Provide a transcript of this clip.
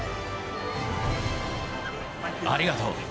ありがとう。